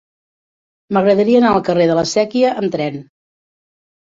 M'agradaria anar al carrer de la Sèquia amb tren.